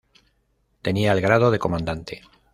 Tenía el grado de comandante.